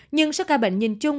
nhưng số ca bệnh nhìn chung